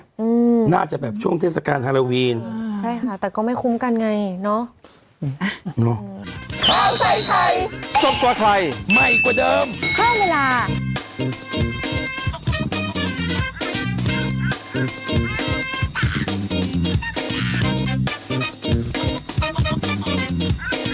ใช่ไหมน่าจะแบบช่วงเทศกาลฮาราวีนใช่ค่ะแต่ก็ไม่คุ้มกันไง